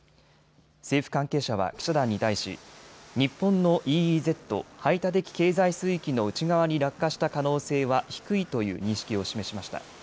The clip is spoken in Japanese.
政府関係者は記者団に対し、日本のＥＥＺ・排他的経済水域の内側に落下した可能性は低いという認識を示しました。